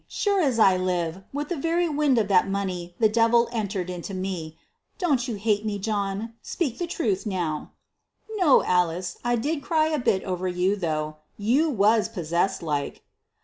Sure as I live, with the very wind o' that money, the devil entered into me. Didn't you hate me, John? Speak the truth now." "No, Alice. I did cry a bit over you, though. You was possessed like."